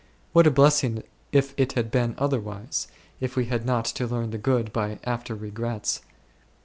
What a blessing if it had been otherwise, if we had not to learn the good by after regrets